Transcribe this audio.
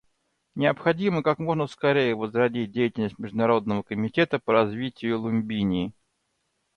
Необходимо как можно скорее возродить деятельность Международного комитета по развитию Лумбини.